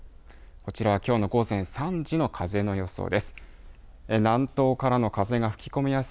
こちらは、きょうの午前３時の風の予想です。